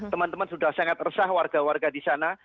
teman teman sudah sangat resah warga warga di sana